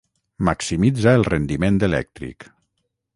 maximitza el rendiment elèctric